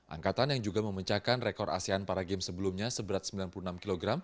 angkatan yang juga memecahkan rekor asean para games sebelumnya seberat sembilan puluh enam kg